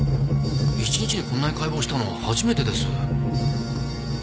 １日でこんなに解剖したの初めてです。